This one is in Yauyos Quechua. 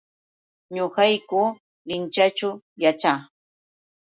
Ñaqayku Linchaćhu yaćhaa.